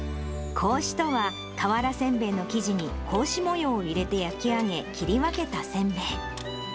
格子とは、瓦煎餅の生地に格子模様を入れて焼き上げ、切り分けたせんべい。